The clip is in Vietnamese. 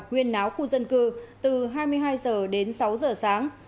nguyên náo khu dân cư từ hai mươi hai h đến sáu h sáng